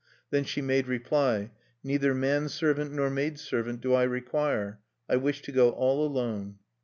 Then she made reply: "Neither man servant nor maid servant do I require. I wish to go all alone."